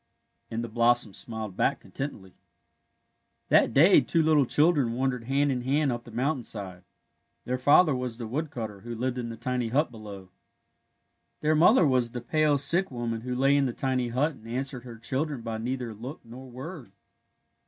" and the blossoms smiled back contentedly. That day two little children wandered hand in hand up the mountainside. Their father was the wood cutter who lived in the tiny hut below. Their mother was the pale, sick woman who lay in the tiny hut and answered her children by neither look nor word.